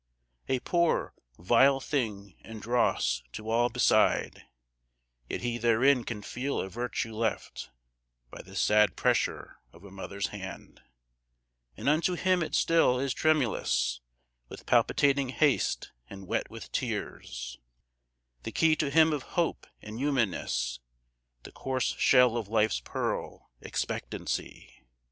A poor, vile thing and dross to all beside, Yet he therein can feel a virtue left By the sad pressure of a mother's hand, And unto him it still is tremulous With palpitating haste and wet with tears, The key to him of hope and humanness, The coarse shell of life's pearl, Expectancy.